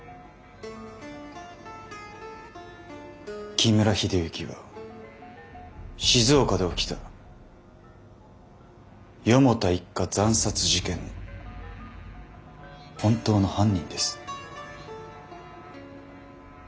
木村英之は静岡で起きた四方田一家惨殺事件の本当の犯人です。